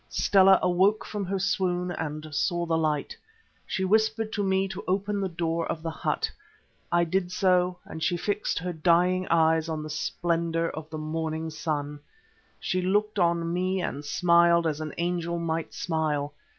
Stella awoke from her swoon and saw the light. She whispered to me to open the door of the hut. I did so, and she fixed her dying eyes on the splendour of the morning sky. She looked on me and smiled as an angel might smile.